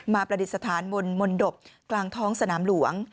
ประดิษฐานบนมนตบกลางท้องสนามหลวง